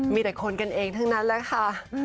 มีแต่คนกันเองทั้งนั้นแหละค่ะ